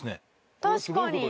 確かに。